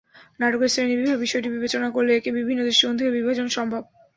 নাটকের শ্রেণিবিভাগ বিষয়টি বিবেচনা করলে একে বিভিন্ন দৃষ্টিকোণ থেকে বিভাজন সম্ভব।